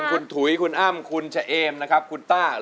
ทุกคนนี้ก็ส่งเสียงเชียร์ทางบ้านก็เชียร์